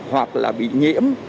hoặc là bị nhiễm